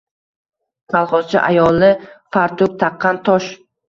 Kalxozchi ayoli – fartuk taqqan tosh.